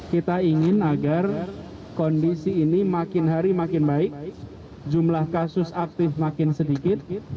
kita ingin agar kondisi ini makin hari makin baik jumlah kasus aktif makin sedikit